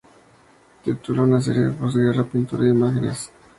Tituló una serie de la posguerra ""pintura de imágenes persistentes"" incluso "paisaje".